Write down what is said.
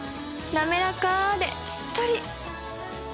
なめらかでしっとり！